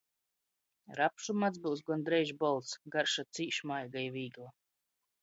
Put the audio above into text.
Rapšu mads byus gondreiž bolts, garša cīš maiga i vīgla.